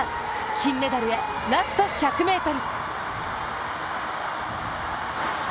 金メダルへ、ラスト１００ｍ。